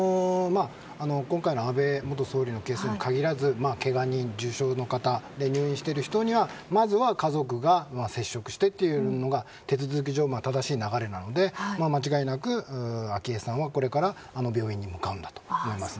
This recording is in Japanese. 今回の安倍元総理のケースに限らずけが人、重傷の方入院している方にはまずは家族が接触してというのが手続き上正しい流れなので間違いなく昭恵さんは、これから病院に向かうと思います。